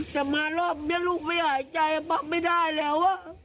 แต่มารอบนี้ลูกไม่หายใจปั๊มไม่ได้แล้ว